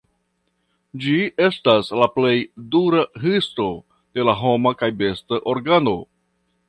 Ĝi estas la plej dura histo de la homa kaj besta organo.